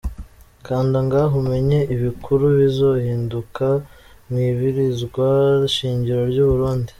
Kanda ngaha umenye ibikuru bizohinduka mw'ibirizwa shingiro ry'u Burundi.